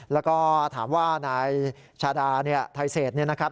แล้วก็ถามว่านายชาดาเนี่ยไทยเศษเนี่ยนะครับ